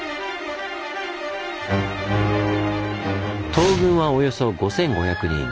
東軍はおよそ５，５００人。